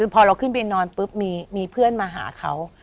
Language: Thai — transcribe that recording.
พอเราขึ้นไปนอนปุ๊บมีเพื่อนมาหาเขา